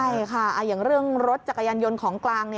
ใช่ค่ะอย่างเรื่องรถจักรยานยนต์ของกลาง